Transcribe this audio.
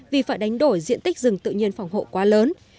vì phải đánh đổi diện tích rừng tự nhiên phòng hộ quá lớn